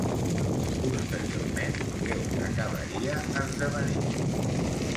Posteriorment, què acabaria esdevenint?